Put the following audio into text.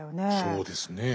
そうですね。